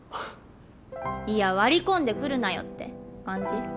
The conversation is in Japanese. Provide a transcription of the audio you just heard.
いや割り込んでくるなよって感じ？